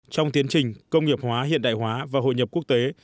trong tiến trình công nghiệp hóa hiện đại hóa và hội nhập quốc tế